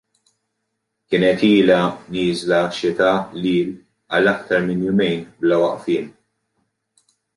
Kienet ilha nieżla xita qliel għal aktar minn jumejn bla waqfien.